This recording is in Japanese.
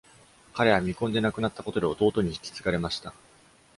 彼は未婚で亡くなったことで弟に引き継がれました。